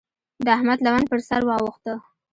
د احمد لمن پر سر واوښته.